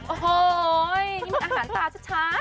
โอ้โหนี่มันอาหารตาชัด